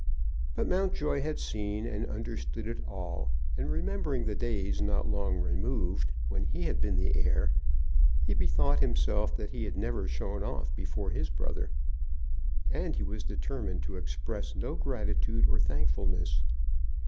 But Mountjoy had seen and understood it all; and remembering the days, not long removed, when he had been the heir, he bethought himself that he had never shown off before his brother. And he was determined to express no gratitude or thankfulness.